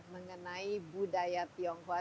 mengenai budaya tionghoa